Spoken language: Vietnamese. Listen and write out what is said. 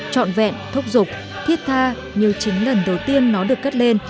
trọn vẹn thúc giục thiết tha như chính lần đầu tiên nó được cất lên